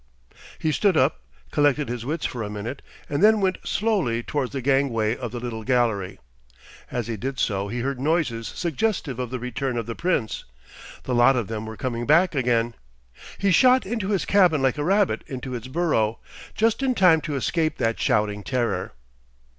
He stood up, collected his wits for a minute, and then went slowly towards the gangway of the little gallery. As he did so he heard noises suggestive of the return of the Prince. The lot of them were coming back again. He shot into his cabin like a rabbit into its burrow, just in time to escape that shouting terror.